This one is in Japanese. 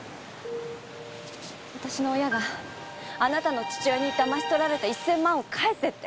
私の親があなたの父親にだまし取られた１千万を返せって。